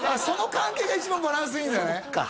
その関係が一番バランスいいんだね